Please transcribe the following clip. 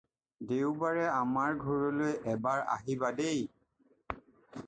দেওবাৰে আমাৰ ঘৰলৈ এবাৰ আহিবাদেই।